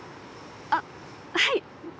あっはい。